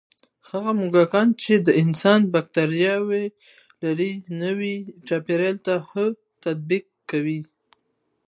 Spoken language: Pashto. هغه موږکان چې د انسان بکتریاوې لري، نوي چاپېریال ته ښه تطابق کوي.